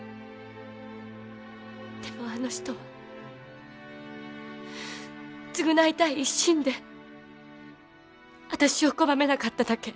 でもあの人は償いたい一心で私を拒めなかっただけ。